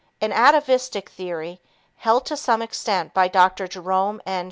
An atavistic theory, held to some extent by Dr. Jerome M.